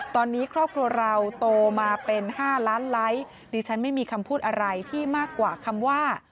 ตอนนี้ครอบครัวเราโตมาเป็น๕ล้านไลค์ดิฉันไม่มีคำพูดอะไรที่มากกว่าคำว่า